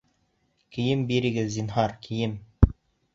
Кейем бирегеҙ, зинһар, кейем!